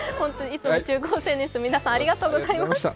いつも中高生ニュース皆さんありがとうございます。